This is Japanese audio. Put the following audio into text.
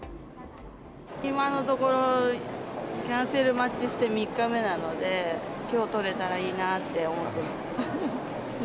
今のところキャンセル待ちして３日目なので、きょう取れたらいいなって思ってます。